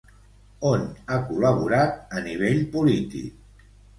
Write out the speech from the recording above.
On ha col·laborat a nivell polític?